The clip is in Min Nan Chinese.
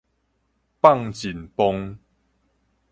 放盡磅